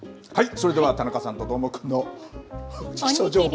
それでは田中さんとどーもくんの気象情報。